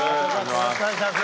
よろしくお願いします。